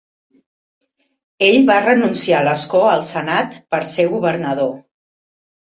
Ell va renunciar a l'escó al senat per ser governador.